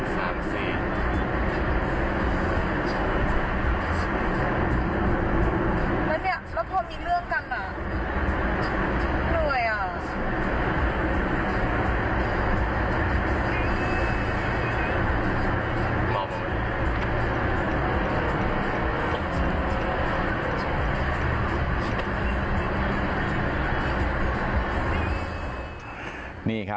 ตอนนี้ก็เปลี่ยนแบบนี้แหละ